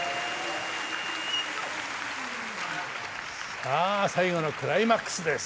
さあ最後のクライマックスです！